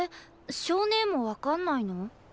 象姉も分かんないのー？